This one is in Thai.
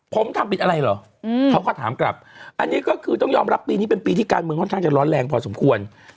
ผมทำผิดอะไรเหรอเขาก็ถามกลับอันนี้ก็คือต้องยอมรับปีนี้เป็นปีที่การเมืองค่อนข้างจะร้อนแรงพอสมควร